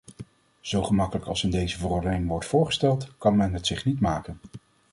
Zo gemakkelijk als in deze verordening wordt voorgesteld kan men het zich niet maken.